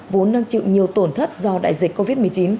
vốn đang chịu nhiều tổn thất do đại dịch covid một mươi chín